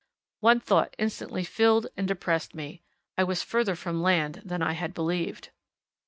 One thought instantly filled and depressed me I was further from land than I had believed.